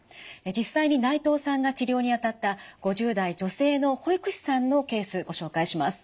実際に内藤さんが治療にあたった５０代女性の保育士さんのケースご紹介します。